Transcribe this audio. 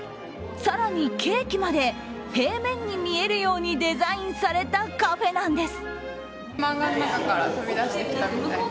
更に、ケーキまで平面に見えるようにデザインされたカフェんです。